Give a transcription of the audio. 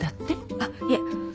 あっいえ